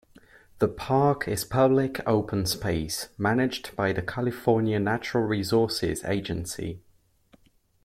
The park is public open space, managed by the California Natural Resources Agency.